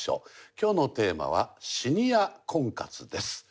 今日のテーマはシニア婚活です。